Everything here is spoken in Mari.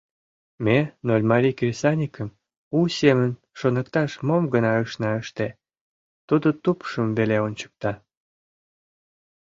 Ме Нольмарий кресаньыкым у семын шоныкташ мом гына ышна ыште — тудо тупшым веле ончыкта.